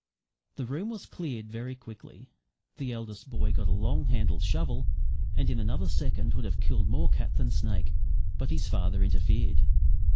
The room was cleared very quickly. The eldest boy got a long handled shovel, and in another second would have killed more cat than snake; but his father interfered.